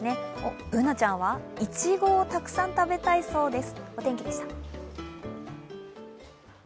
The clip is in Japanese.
Ｂｏｏｎａちゃんは、いちごをたくさん食べたいそうです。